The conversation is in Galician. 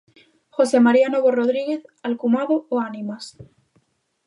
José María Novo Rodríguez, alcumado 'O Ánimas'.